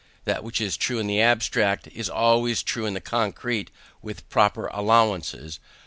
That which is true in the abstract, is always true in the concrete with proper allowances.